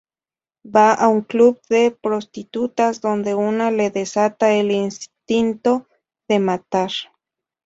Va a un club de prostitutas donde una le desata el instinto de matar.